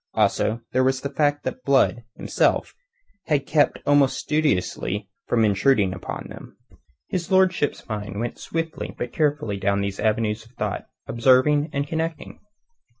Also there was the fact that Blood, himself, had kept almost studiously from intruding upon them. His lordship's mind went swiftly but carefully down these avenues of thought, observing and connecting.